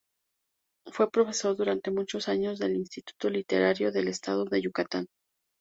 Fue profesor durante muchos años del Instituto Literario del estado de Yucatán.